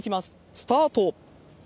スタート。